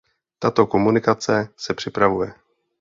Tato komunikace se připravuje.